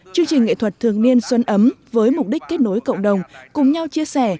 chương trình nghệ thuật thường niên xuân ấm với mục đích kết nối cộng đồng cùng nhau chia sẻ